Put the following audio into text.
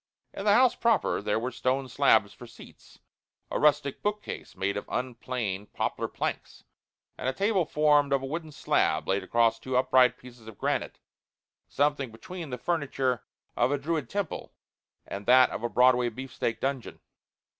In the house proper there were stone slabs for seats, a rustic bookcase made of unplaned poplar planks, and a table formed of a wooden slab laid across two upright pieces of granite something between the furniture of a Druid temple and that of a Broadway beefsteak dungeon.